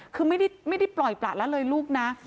คือไม่ได้ปล่อยประละเลยลูกนะ